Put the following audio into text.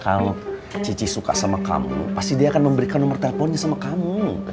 kalau cici suka sama kamu pasti dia akan memberikan nomor teleponnya sama kamu